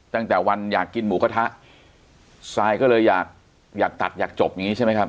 ตั้งแต่วันอยากกินหมูกระทะซายก็เลยอยากอยากตัดอยากจบอย่างงี้ใช่ไหมครับ